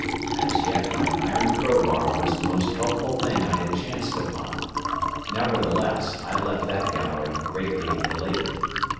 As yet my iron crowbar was the most helpful thing I had chanced upon. Nevertheless I left that gallery greatly elated.